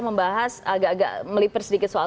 membahas agak agak melipir sedikit soal